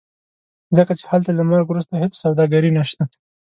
ځکه چې هلته له مرګ وروسته هېڅ سوداګري نشته.